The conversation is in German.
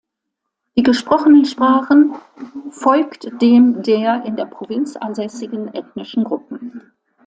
Die gesprochenen Sprachen folgt dem der in der Provinz ansässigen ethnischen Gruppen.